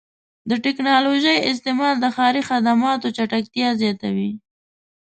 د ټکنالوژۍ استعمال د ښاري خدماتو چټکتیا زیاتوي.